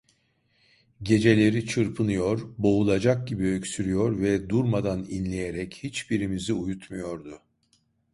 Geceleri çırpınıyor, boğulacak gibi öksürüyor ve durmadan inleyerek hiçbirimizi uyutmuyordu.